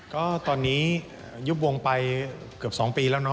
ก็ตอนนี้ยุบวงไปเกือบ๒ปีแล้วเนอ